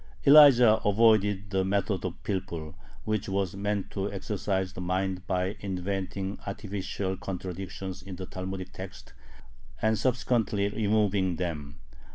Elijah avoided the method of pilpul, which was meant to exercise the mind by inventing artificial contradictions in the Talmudic text and subsequently removing them.